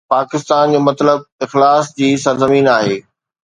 پاڪستان جو مطلب اخلاص جي سرزمين آهي